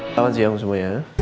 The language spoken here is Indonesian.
selamat siang semuanya